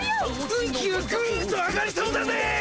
運気がぐんと上がりそうだぜ。